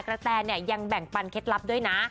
แตเนี่ยยังแบ่งปันเคล็ดลับด้วยนะ